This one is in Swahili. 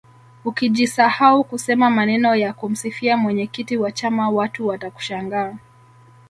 ukijisahau kusema maneno ya kumsifia mwenyekiti wa chama watu watakushangaa